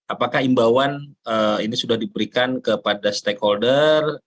apakah imbauan ini sudah diberikan kepada stakeholder